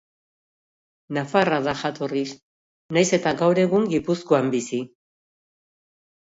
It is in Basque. Nafarra da jatorriz, nahiz eta gaur egun Gipuzkoan bizi.